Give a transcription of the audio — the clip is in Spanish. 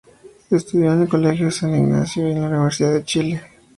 Estudió en el Colegio San Ignacio y en la Universidad de Chile.